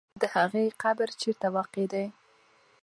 د هغې قبر چېرته واقع دی؟